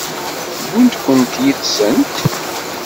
Wwint-kent yid-sent?